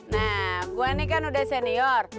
nah gue ini kan udah senior